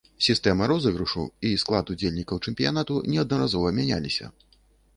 Сістэма розыгрышу і склад удзельнікаў чэмпіянату неаднаразова мяняліся.